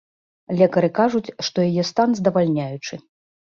Лекары кажуць, што яе стан здавальняючы.